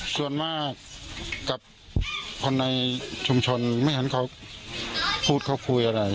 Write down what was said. ส่วนมากกับคนในชุมชนไม่เห็นเขาพูดเขาคุยอะไร